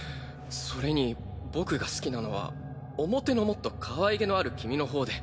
それに僕が好きなのは表のもっとかわいげのある君の方で。